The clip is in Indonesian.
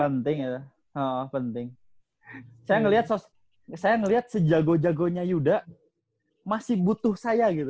penting ya oh penting saya ngeliat sos saya ngeliat sejago jagonya yuda masih butuh saya gitu